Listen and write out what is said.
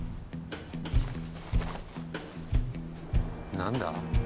何だ？